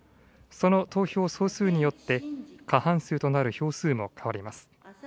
その投票総数によって、過半数となる票数も変わります。